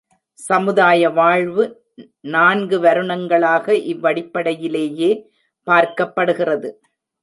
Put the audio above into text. சமுதாய வாழ்வு நான்கு வருணங்களாக இவ்வடிப்படையிலேயே பார்க்கப்படுகிறது.